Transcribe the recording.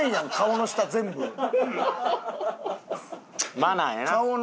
マナーやな。